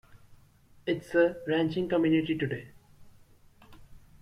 It is a ranching community today.